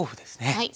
はい。